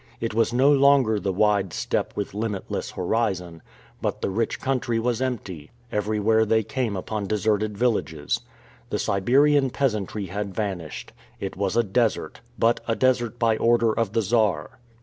It was no longer the wide steppe with limitless horizon; but the rich country was empty. Everywhere they came upon deserted villages. The Siberian peasantry had vanished. It was a desert, but a desert by order of the Czar.